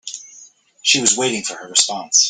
She was waiting for her response.